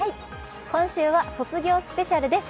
今週は卒業スペシャルです。